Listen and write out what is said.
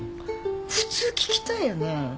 普通聞きたいよね？